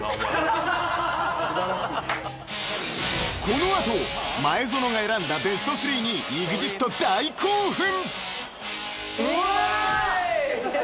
［この後前園が選んだベスト３にＥＸＩＴ大興奮］